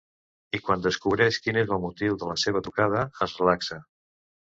I quan descobreix quin és el motiu de la seva trucada, es relaxa.